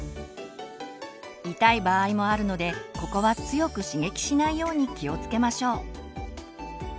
痛い場合もあるのでここは強く刺激しないように気をつけましょう。